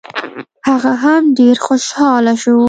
هغه هم ډېر خوشحاله شو.